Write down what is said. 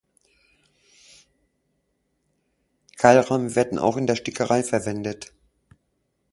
Keilrahmen werden auch in der Stickerei verwendet.